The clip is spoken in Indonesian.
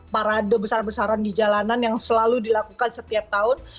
parade besar besaran di jalanan yang selalu dilakukan setiap tahun